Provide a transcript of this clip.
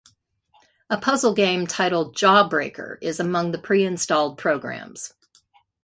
A puzzle game titled "Jawbreaker" is among the preinstalled programs.